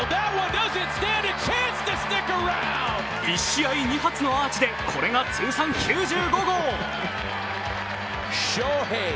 １試合２発のアーチで、これが通算９５号。